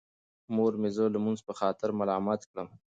مور مې زه د لمونځ په خاطر ملامت کړم.